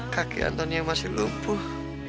kaki antoni yang masih lumpuh